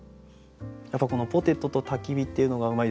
やっぱこの「ポテト」と「焚き火」っていうのがうまいですよね。